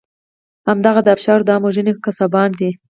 همدغه د آبشارو د عام وژنې قصابان دي.